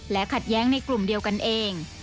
และขัดแย้งในกลุ่มเดียวกันเอง